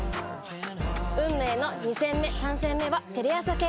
運命の２戦目３戦目はテレ朝系。